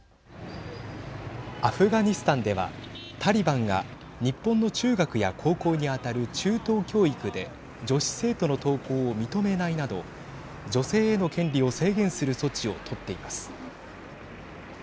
アフガニスタンではタリバンが日本の中学や高校に当たる中等教育で女子生徒の登校を認めないなど女性への権利を制限する措置を取っています。